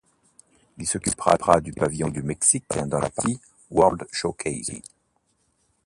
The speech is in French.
Il s'occupera du pavillon du Mexique dans la partie World ShowCase.